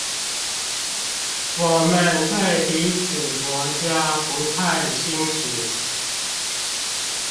我們對彼此國家不太清楚